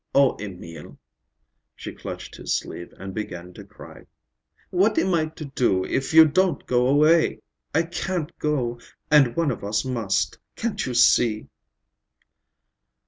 Oh, Emil," she clutched his sleeve and began to cry, "what am I to do if you don't go away? I can't go, and one of us must. Can't you see?"